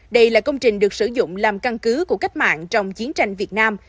đây là công trình được sử dụng làm căn cứ của cách mạng trong chiến tranh việt nam